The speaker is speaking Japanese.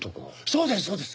そうですそうです。